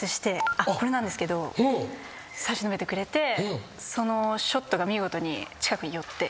あっこれなんですけど差し伸べてくれてそのショットが見事に近くに寄って。